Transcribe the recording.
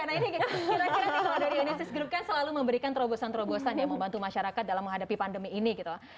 nah ini kira kira di indonesia selalu memberikan terobosan terobosan yang membantu masyarakat dalam menghadapi pandemi ini